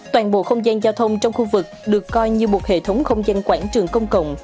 toàn bộ không gian giao thông trong khu vực được coi như một hệ thống không gian quảng trường công cộng